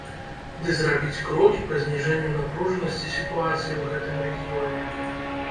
Ды зрабіць крокі па зніжэнню напружанасці сітуацыі ў гэтым рэгіёне.